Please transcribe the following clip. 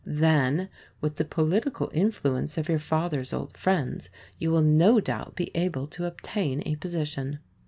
Then, with the political influence of your father's old friends, you will no doubt be able to obtain a position.